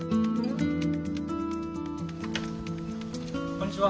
こんにちは。